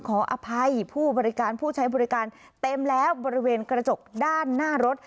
ขออภัยผู้บริการผู้ใช้บริการเต็มแล้วบริเวณกระจกด้านหน้ารถ